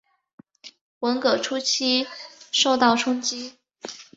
文革初期受到冲击。